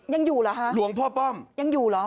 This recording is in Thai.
ยังอยู่เหรอฮะยังอยู่เหรอ